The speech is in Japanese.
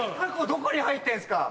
どこに入ってんすか。